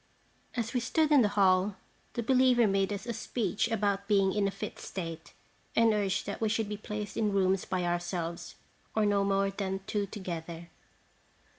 As we stood in the hall, the believer made us a speech about being in a fit state, and urged that we should be placed in rooms by ourselves, or no more than two together.